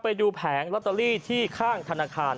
แผงลอตเตอรี่ที่ข้างธนาคาร